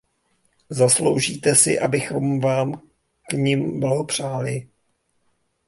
Zasloužíte si, abychom vám k nim blahopřáli.